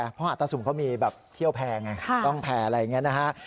เพราะหาตาสุมเขามีแบบเที่ยวแพร่ไงต้องแพรอะไรอย่างนี้นะฮะ